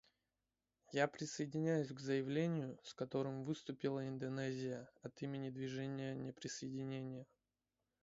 Я присоединяюсь к заявлению, с которым выступила Индонезия от имени Движения неприсоединения.